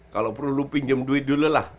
kalau perlu lu pinjem duit dulu lah